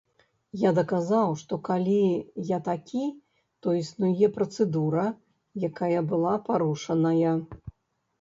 Я даказаў, што калі я такі, то існуе працэдура, якая была парушаная.